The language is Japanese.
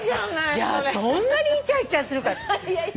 そんなにイチャイチャするか。